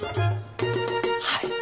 はい！